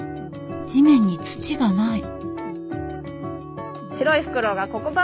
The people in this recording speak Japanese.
地面に土がない。